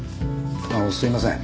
あのすいません